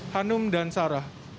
hanum dan sarah